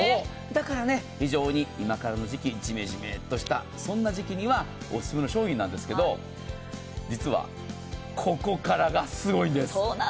だから非常に今からの時期ジメジメっとしたそんな時期にはおすすめの商品なんですけど実はここからがすごいんです。